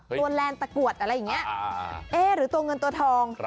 แลนด์ตะกรวดอะไรอย่างนี้เอ๊ะหรือตัวเงินตัวทอง